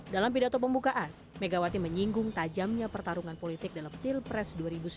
dalam pidato pembukaan megawati menyinggung tajamnya pertarungan politik dalam pilpres dua ribu sembilan belas